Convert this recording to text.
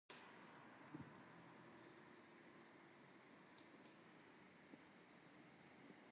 In the singles tournament, Flack lost both of the matches he competed in.